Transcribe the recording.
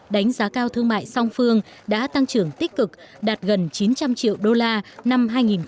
đánh giá cao thương mại song phương đã tăng trưởng tích cực đạt gần chín trăm linh triệu đô la năm hai nghìn một mươi tám